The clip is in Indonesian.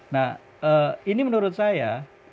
nah ini menurut saya